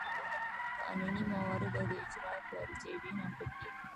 قانوني موارد او د اجرااتو ارزیابي هم پکې دي.